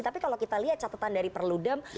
tapi kalau kita lihat catatan dari perludem